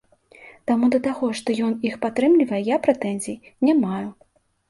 Таму да таго, што ён іх падтрымлівае, я прэтэнзій не маю.